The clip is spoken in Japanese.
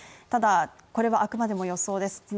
ただ、これはあくまでも予想です